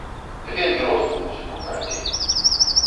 Вельмі розную музыку, карацей.